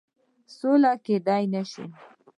سوله کېدلای نه سي.